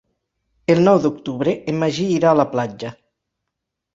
El nou d'octubre en Magí irà a la platja.